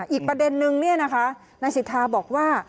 อีกประเด็นนึงนี่นะคะนายสิทธาบอกว่า